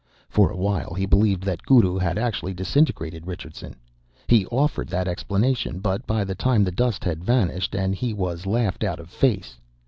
For a while he believed that Guru had actually disintegrated Richardson; he offered that explanation, but by that time the dust had vanished, and he was laughed out of face.